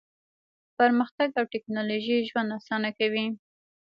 پرمختګ او ټیکنالوژي ژوند اسانه کوي.